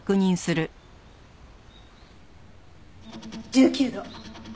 １９度。